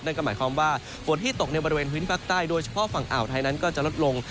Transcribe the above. นั่นก็หมายความว่าฝนที่ตกในบริเวณพื้นที่ภาคใต้โดยเฉพาะฝั่งอ่าวไทยนั้นก็จะลดลง